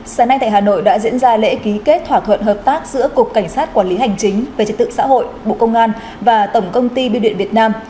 sáng nay tại hà nội đã diễn ra lễ ký kết thỏa thuận hợp tác giữa cục cảnh sát quản lý hành chính về trật tự xã hội bộ công an và tổng công ty biêu điện việt nam